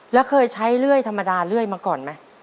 แล้วเคยใช้เลื่อยธรรมดาเรื่อยมาก่อนไหม